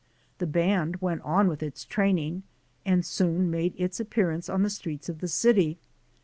The band went on with its training, and soon made its appearance on the streets of the city.